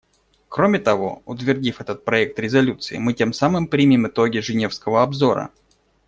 Кроме того, утвердив этот проект резолюции, мы тем самым примем итоги женевского обзора.